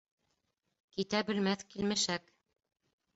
Китә белмәҫ килмешәк.